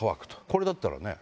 これだったらね。